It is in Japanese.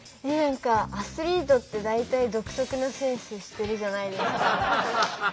何かアスリートって大体独特なセンスしてるじゃないですか。